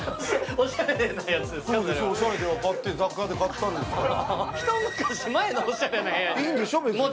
おしゃれですよ、雑貨屋で買ったんですから。